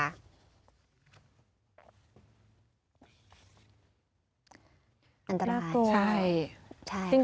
อันตราย